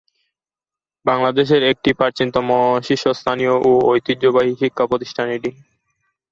বাংলাদেশের একটি প্রাচীনতম শীর্ষস্থানীয় ও ঐতিহ্যবাহী শিক্ষাপ্রতিষ্ঠান এটি।